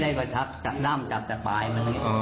ใครก็เห็นแล้วแต่ไม่ได้ออกถ้ามันจับคลับไป